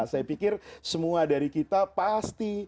saya pikir semua dari kita pasti